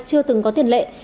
chưa từng có tiền lệ